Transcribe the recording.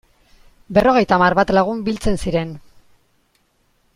Berrogeita hamar bat lagun biltzen ziren.